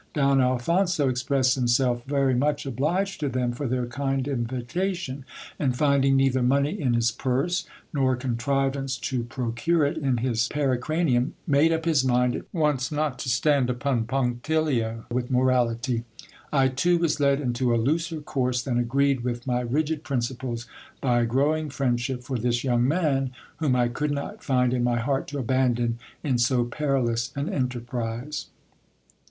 Don Alphonso expressed himself very much obliged to them for their kind invitation ; and finding neither money in his purse, nor contrivance to procure it in his peri cranium, made up his mind at once not to stand upon punctilio with morality. I too was led into a looser course than agreed with my rigid principles, by a growing friendship for this young man, whom I could not find in my heart to abandon in so perilous an enterprise.